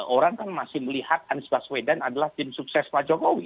orang kan masih melihat anies busway dan adalah tim sukses pak jokowi dua ribu empat belas